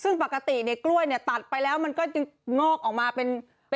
ซึ่งปกติเนี่ยกล้วยเนี่ยตัดไปแล้วมันก็ยังงอกออกมาเป็น